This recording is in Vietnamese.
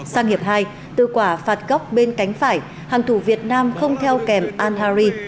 sang hiệp hai từ quả phạt góc bên cánh phải hàng thủ việt nam không theo kèm ahn hari